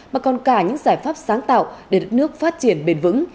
mà còn cả những giải pháp sáng tạo để đất nước phát triển bền vững